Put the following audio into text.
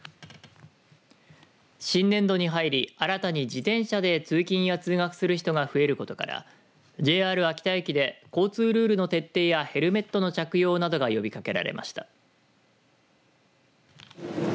新年度に入り、新たに自転車で通勤や通学する人が増えることからＪＲ秋田駅で交通ルールの徹底やヘルメットの着用などが呼びかけられました。